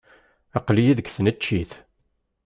Aql-iyi deg tneččit.